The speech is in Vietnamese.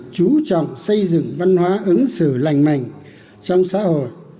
chú trọng xây dựng văn hóa ứng xử lành mạnh trong xã hội